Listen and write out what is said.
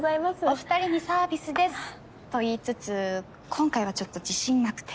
お２人にサービスですと言いつつ今回はちょっと自信なくて。